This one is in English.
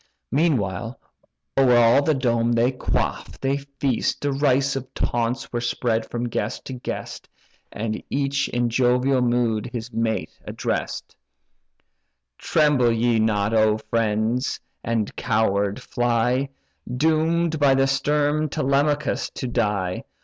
Meantime, o'er all the dome, they quaff, they feast, Derisive taunts were spread from guest to guest, And each in jovial mood his mate address'd: "Tremble ye not, O friends, and coward fly, Doom'd by the stern Telemachus to die?